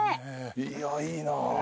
いやいいな。